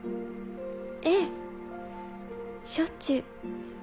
ええしょっちゅう。